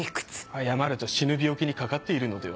謝ると死ぬ病気にかかっているのでは。